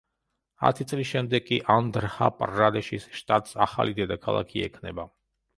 ათი წლის შემდეგ კი ანდჰრა-პრადეშის შტატს ახალი დედაქალაქი ექნება.